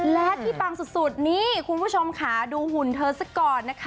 และที่ปังสุดนี่คุณผู้ชมค่ะดูหุ่นเธอสักก่อนนะคะ